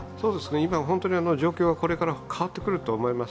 今、状況がこれから変わってくると思います。